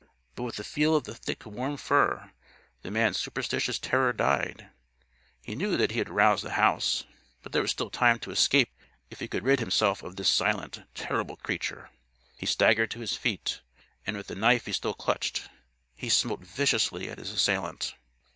But with the feel of the thick warm fur, the man's superstitious terror died. He knew he had roused the house; but there was still time to escape if he could rid himself of this silent, terrible creature. He staggered to his feet. And, with the knife he still clutched, he smote viciously at his assailant.